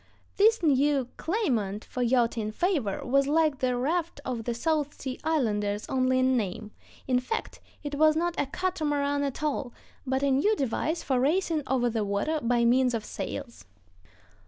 This new claimant for yachting favor was like the raft of the South Sea Islanders only in name; in fact, it was not a catamaran at all, but a new device for racing over the water by means of sails.